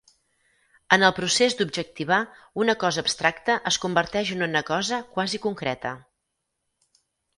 En el procés d'objectivar, una cosa abstracta es converteix en una cosa quasi concreta.